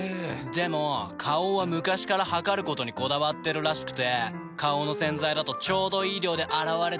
でも花王は昔から量ることにこだわってるらしくて花王の洗剤だとちょうどいい量で洗われてるなって。